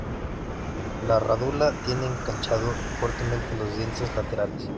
La rádula tiene enganchado fuertemente los dientes laterales.